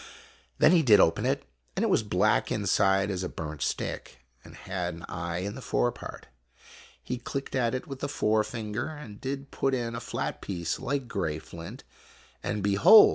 Then he did open it ; and it was black inside as a burnt stick, and had an eye in the fore part. He clicked at it with the fore finger, and did put in a flat piece like gray flint, and behold